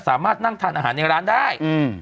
สามารถนั่งทานอาหารในร้านได้